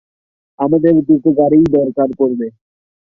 আমাদের দুটো গাড়িই দরকার পড়বে।